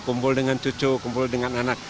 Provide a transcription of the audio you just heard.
kumpul dengan cucu kumpul dengan anak